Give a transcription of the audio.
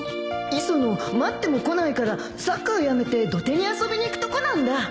磯野待っても来ないからサッカーやめて土手に遊びに行くところなんだ